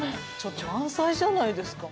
満載じゃないですか。